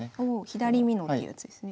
左美濃ってやつですね。